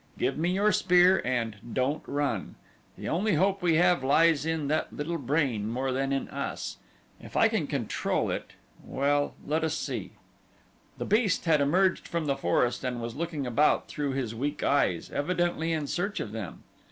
Give me your spear, and don't run. The only hope we have lies in that little brain more than in us. If I can control it well, let us see." The beast had emerged from the forest and was looking about through his weak eyes, evidently in search of them.